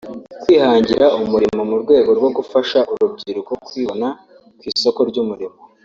kwihangira umurimo mu rwego rwo gufasha urubyiruko kwibona ku isoko ry’umurimo